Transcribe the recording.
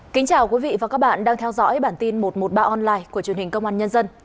kính chào quý vị và các bạn đang theo dõi bản tin một trăm một mươi ba online của truyền hình công an nhân dân